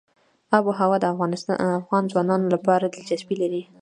آب وهوا د افغان ځوانانو لپاره دلچسپي لري.